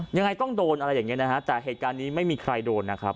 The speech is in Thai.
ยังไงต้องโดนอะไรอย่างนี้นะฮะแต่เหตุการณ์นี้ไม่มีใครโดนนะครับ